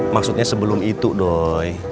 maksudnya sebelum itu doy